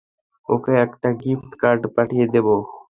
ওকে একটা gift card পাঠিয়ে দেবো।